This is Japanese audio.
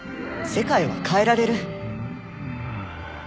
世界は変えられる。